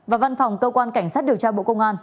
và văn phòng cơ quan cảnh sát điều tra bộ công an